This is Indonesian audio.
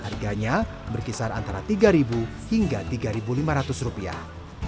harganya berkisar antara tiga hingga tiga lima ratus rupiah